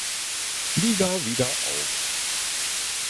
Liga wieder auf.